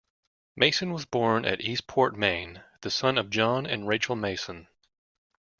Mason was born at Eastport, Maine, the son of John and Rachel Mason.